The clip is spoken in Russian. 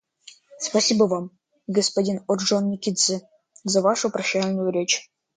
Спасибо Вам, господин Орджоникидзе, за вашу прощальную речь.